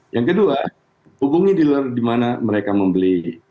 yang kedua hubungi dealer di mana mereka membeli